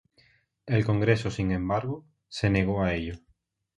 El Congreso, sin embargo, se negó a ello.